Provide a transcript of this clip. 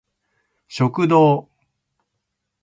食堂